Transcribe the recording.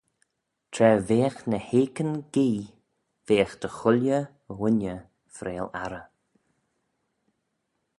Tra veagh ny hakeyn gee, veagh dy chooilley ghooinney freayll arrey.